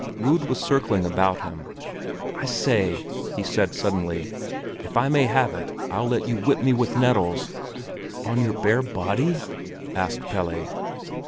Rud was circling about him. "I say!" he said suddenly. "If I may have it, I'll let you whip me with nettles." "On your bare body?" asked Pelle.